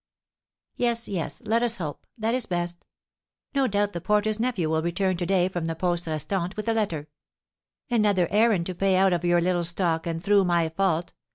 "Yes, yes, let us hope, that is best. No doubt the porter's nephew will return to day from the Poste Restante with a letter. Another errand to pay out of your little stock, and through my fault.